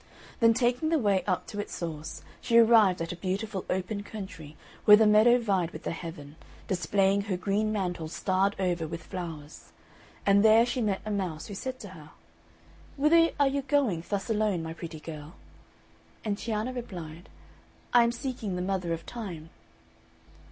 Then taking the way up to its source, she arrived at a beautiful open country, where the meadow vied with the heaven, displaying her green mantle starred over with flowers; and there she met a mouse who said to her, "Whither are you going thus alone, my pretty girl?" And Cianna replied, "I am seeking the Mother of Time."